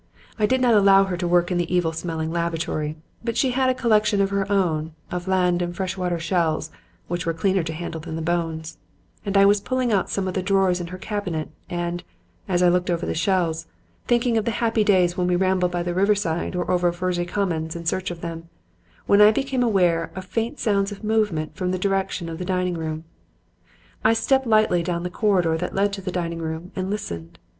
I did not allow her to work in the evil smelling laboratory, but she had a collection of her own, of land and fresh water shells (which were cleaner to handle than the bones); and I was pulling out some of the drawers in her cabinet, and, as I looked over the shells, thinking of the happy days when we rambled by the riverside or over furzy commons in search of them, when I became aware of faint sounds of movement from the direction of the dining room. "I stepped lightly down the corridor that led to the dining room and listened.